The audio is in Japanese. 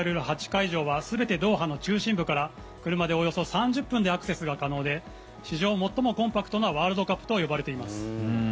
８会場は全てドーハの中心部から車でおよそ３０分でアクセスが可能で史上最もコンパクトなワールドカップと呼ばれています。